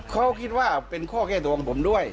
เขาคิดว่าเป็นข้อแก้ตัวของผมด้วย